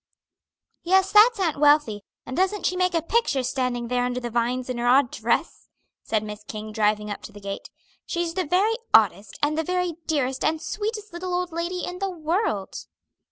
"Yes, that's Aunt Wealthy, and doesn't she make a picture standing there under the vines in her odd dress?" said Miss King, driving up to the gate. "She's the very oddest, and the very dearest and sweetest little old lady in the world."